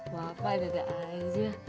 bapak dede aja